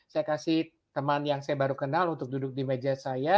saya kasih teman yang saya baru kenal untuk duduk di meja saya